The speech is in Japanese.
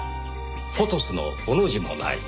『フォトス』の「フォ」の字もない。